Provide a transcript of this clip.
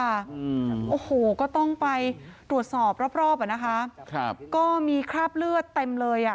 อืมโอ้โหก็ต้องไปตรวจสอบรอบรอบอ่ะนะคะครับก็มีคราบเลือดเต็มเลยอ่ะ